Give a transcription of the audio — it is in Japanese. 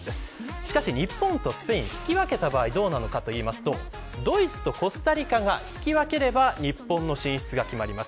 しかし、日本とスペイン引き分けた場合ドイツとコスタリカが引き分ければ日本の進出が決まります。